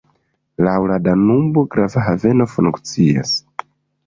Laŭ la Danubo grava haveno funkciis.